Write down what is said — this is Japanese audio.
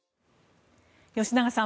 吉永さん